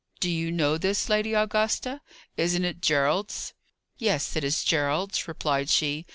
"Do you know this, Lady Augusta? Isn't it Gerald's?" "Yes, it is Gerald's," replied she.